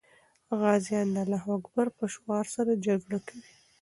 غازیان د الله اکبر په شعار سره جګړه کوي.